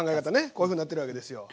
こういうふうになってるわけですよ。